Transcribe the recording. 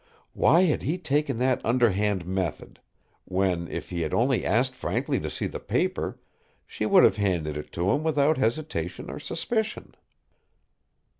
Why had he taken that underhand method when, if he had only asked frankly to see the paper, she would have handed it to him without hesitation or suspicion.